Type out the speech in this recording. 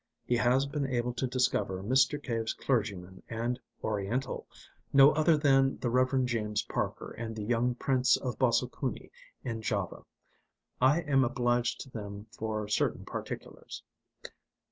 He has been able to discover Mr. Cave's clergyman and "Oriental" no other than the Rev. James Parker and the young Prince of Bosso Kuni in Java. I am obliged to them for certain particulars.